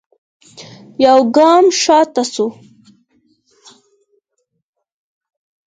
يوګام شاته سوه.